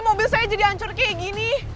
mobil saya jadi hancur kayak gini